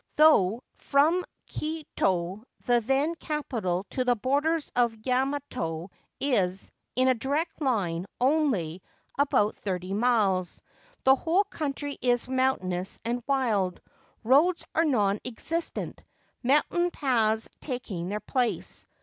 Though from Kioto the then capital to the borders of Yamato is, in a direct line, only about thirty miles, the whole country is mountainous and wild ; roads are non existent, mountain paths taking their place.